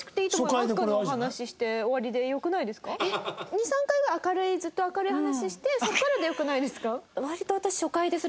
２３回ぐらい明るいずっと明るい話してそこからでよくないですか？